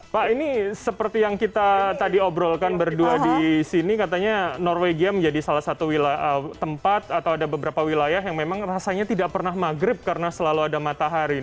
pak ini seperti yang kita tadi obrolkan berdua di sini katanya norwegia menjadi salah satu tempat atau ada beberapa wilayah yang memang rasanya tidak pernah maghrib karena selalu ada matahari